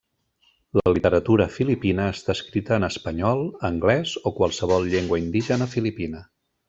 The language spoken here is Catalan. La literatura filipina està escrita en espanyol, anglès o qualsevol llengua indígena filipina.